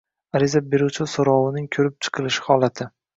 ariza beruvchi so‘rovining ko‘rib chiqilishi holati